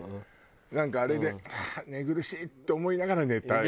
なんかあれでああ寝苦しいって思いながら寝たい。